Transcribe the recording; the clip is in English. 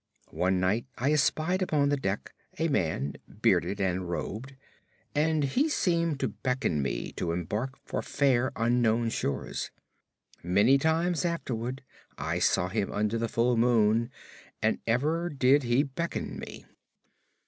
One night I espied upon the deck a man, bearded and robed, and he seemed to beckon me to embark for fair unknown shores. Many times afterward I saw him under the full moon, and ever did he beckon me.